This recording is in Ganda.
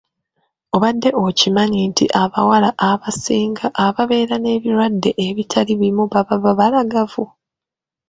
Obadde okimanyi nti abawala abasinga ababeera n'ebirwadde ebitali bimu baba babalagavu?